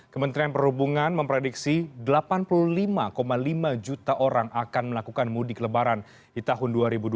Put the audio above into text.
kementerian perhubungan memprediksi delapan puluh lima lima juta orang akan melakukan mudik lebaran di tahun dua ribu dua puluh